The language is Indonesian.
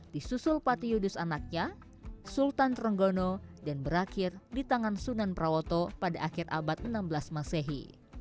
disusul pati yudus anaknya sultan trenggono dan berakhir di tangan sunan prawoto pada akhir abad enam belas masehi